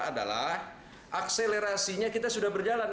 adalah akselerasinya kita sudah berjalan